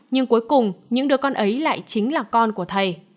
nhưng cuối cùng những đứa con ấy lại chính là con của thầy